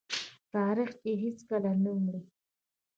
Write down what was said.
تاریخ چې هیڅکله نه مري.